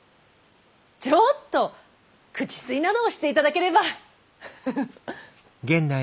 ちょっと口吸いなどをして頂ければ。